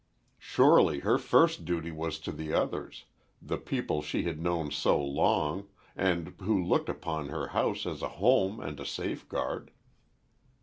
Surely, her first duty was to the others—the people she had known so long, and who looked upon her house as a home and a safeguard.